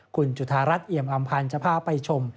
คุณจุธารัฐเอี่ยมอำพันธ์จะพาไปชม